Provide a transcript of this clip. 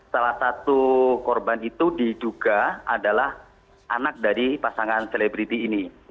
salah satu korban itu diduga adalah anak dari pasangan selebriti ini